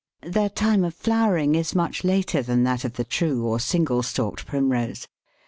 ] Their time of flowering is much later than that of the true or single stalked Primrose.